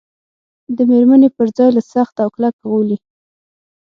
د مېرمنې پر ځای له سخت او کلک غولي.